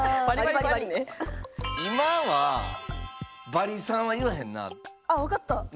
あわかった！